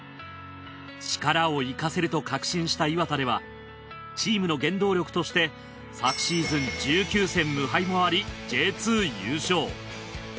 力を生かせると確信した磐田ではチームの原動力として昨シーズン１９戦無敗もありＪ２優勝。